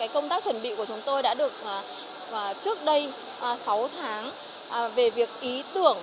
công tác chuẩn bị của chúng tôi đã được trước đây sáu tháng về việc ý tưởng